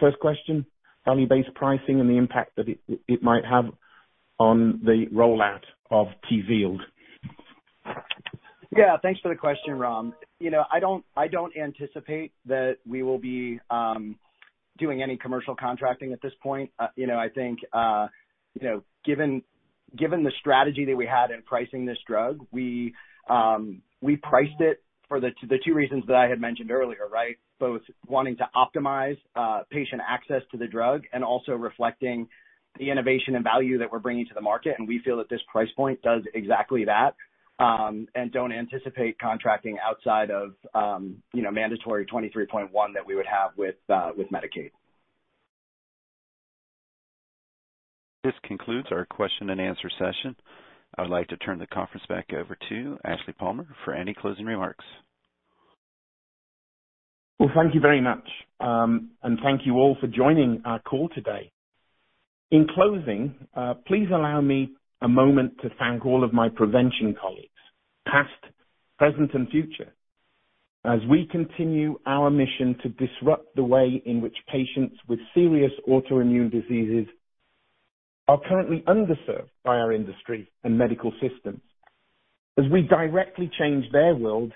first question, value-based pricing and the impact that it might have on the rollout of TZIELD? Yeah. Thanks for the question, Ram. You know, I don't anticipate that we will be doing any commercial contracting at this point. You know, I think, you know, given the strategy that we had in pricing this drug, we priced it for the two reasons that I had mentioned earlier, right? Both wanting to optimize patient access to the drug and also reflecting the innovation and value that we're bringing to the market and we feel that this price point does exactly that. Don't anticipate contracting outside of, you know, mandatory 23.1 that we would have with Medicaid. This concludes our question and answer session. I would like to turn the conference back over to Ashleigh Palmer for any closing remarks. Well, thank you very much and thank you all for joining our call today. In closing, please allow me a moment to thank all of my Provention colleagues, past, present and future, as we continue our mission to disrupt the way in which patients with serious autoimmune diseases are currently underserved by our industry and medical systems, as we directly change their world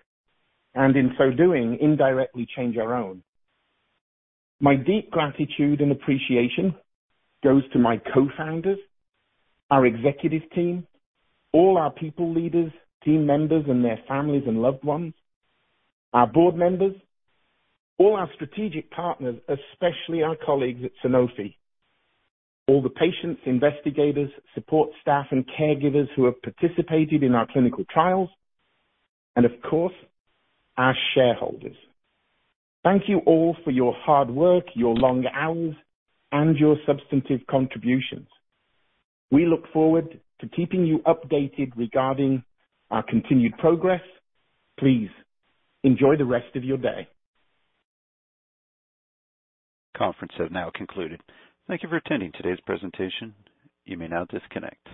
and in so doing, indirectly change our own. My deep gratitude and appreciation goes to my co-founders, our executive team, all our people leaders, team members and their families and loved ones, our board members, all our strategic partners, especially our colleagues at Sanofi, all the patients, investigators, support staff and caregivers who have participated in our clinical trials and of course, our shareholders. Thank you all for your hard work, your long hours and your substantive contributions. We look forward to keeping you updated regarding our continued progress. Please enjoy the rest of your day. Conference has now concluded. Thank you for attending today's presentation. You may now disconnect.